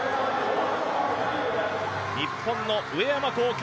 日本の上山紘輝